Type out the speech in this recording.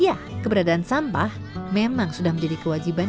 ya keberadaan sampah memang sudah menjadi kewajiban